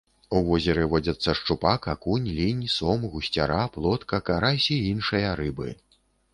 У возеры водзяцца шчупак, акунь, лінь, сом, гусцяра, плотка, карась і іншыя рыбы.